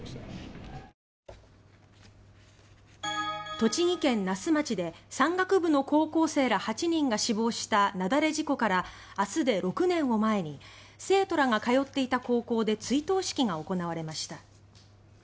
栃木県那須町で山岳部の高校生ら８人が死亡した雪崩事故からあすで６年を前に生徒らが通っていた高校で追悼式が行われました。